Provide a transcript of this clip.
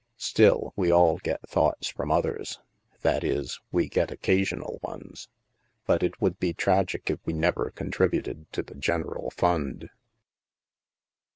Still, we all get thoughts from others ; that is, we get occasional ones. But it would be tragic if we never contributed to the general fund.